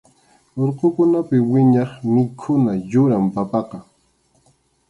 Urqukunapi wiñaq mikhuna yuram papaqa.